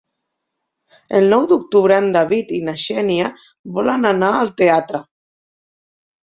El nou d'octubre en David i na Xènia volen anar al teatre.